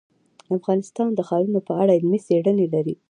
افغانستان د ښارونو په اړه علمي څېړنې لري.